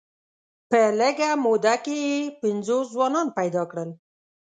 په لږه موده کې یې پنځوس ځوانان پیدا کړل.